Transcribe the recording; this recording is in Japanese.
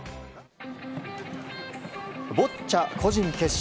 ボッチャ個人決勝。